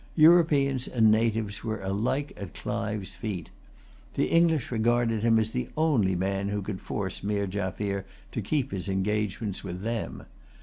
Europeans and natives were alike at Clive's feet. The English regarded him as the only man who could force Meer Jaffier to keep his engagements with them.